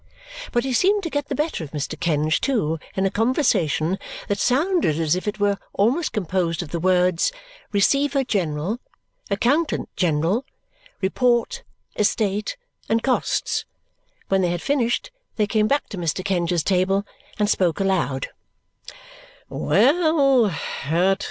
But he seemed to get the better of Mr. Kenge too in a conversation that sounded as if it were almost composed of the words "Receiver General," "Accountant General," "report," "estate," and "costs." When they had finished, they came back to Mr. Kenge's table and spoke aloud. "Well!